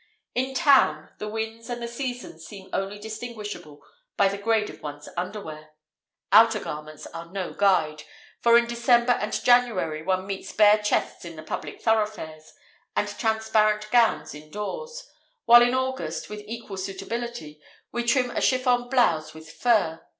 In town, the winds and the seasons seem only distinguishable by the grade of one's underwear. Outer garments are no guide, for in December and January one meets bare chests in the public thoroughfares and transparent gowns indoors; while in August, with equal suitability, we trim a chiffon blouse with fur!